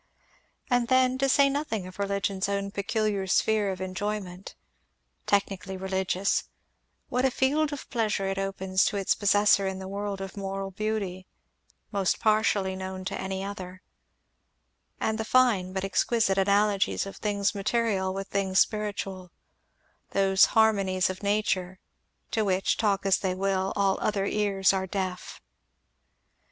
And then, to say nothing of religion's own peculiar sphere of enjoyment, technically religious, what a field of pleasure it opens to its possessor in the world of moral beauty, most partially known to any other, and the fine but exquisite analogies of things material with things spiritual, those harmonies of Nature, to which, talk as they will, all other ears are deaf!"